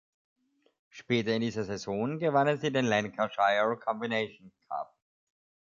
Später in dieser Saison gewannen sie den Lancashire Combination Cup.